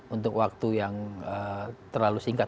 untuk waktu yang terlalu singkat